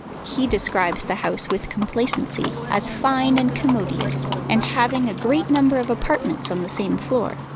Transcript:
He describes the house with complacency as fine and commodious, and having a great number of apartments on the same floor.